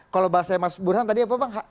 kalau bahasanya mas burhan tadi apa bang